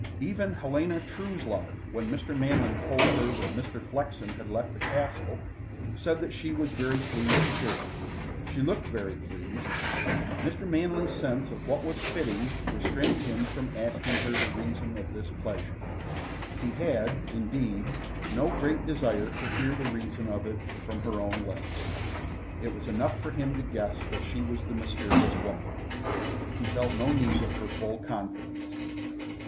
Even Helena Truslove, when Mr. Manley told her that Mr. Flexen had left the Castle, said that she was very pleased to hear it. She looked very pleased. Mr. Manley's sense of what was fitting restrained him from asking her the reason of this pleasure. He had, indeed, no great desire to hear the reason of it from her own lips. It was enough for him to guess that she was the mysterious woman. He felt no need of her full confidence.